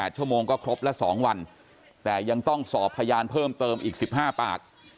ชั่วโมงก็ครบละ๒วันแต่ยังต้องสอบพยานเพิ่มเติมอีก๑๕ปาก